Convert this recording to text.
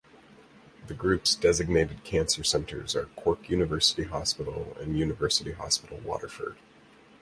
The Group’s designated cancer centres are Cork University Hospital and University Hospital Waterford.